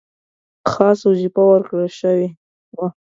خاصه وظیفه ورکړه شوې وه.